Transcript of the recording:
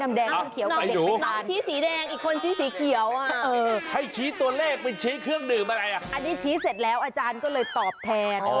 อันนี้ชี้เสร็จแล้วอาจารย์ก็เลยตอบแทน